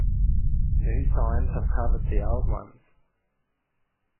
New signs have covered the old ones.